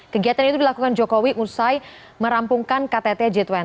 kegiatan itu dilakukan jokowi usai merampungkan ktt g dua puluh